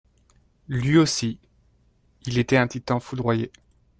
Lui aussi, il etait un Titan foudroyé.